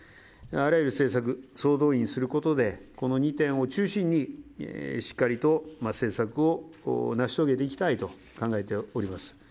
あらゆる政策、総動員することでこの２点を中心にしっかりと政策を成し遂げていきたいと考えております。